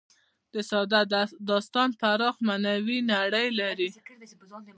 ساده داستان پراخه معنوي نړۍ لري.